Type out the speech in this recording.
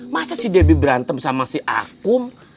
masa si debbie berantem sama si akum